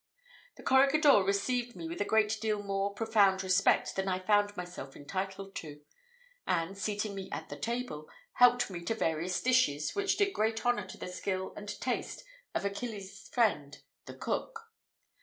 The corregidor received me with a great deal more profound respect than I found myself entitled to; and, seating me at the table, helped me to various dishes, which did great honour to the skill and taste of Achilles' friend, the cook.